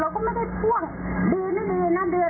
ก็ใช้เท่านี้เท่าเดิม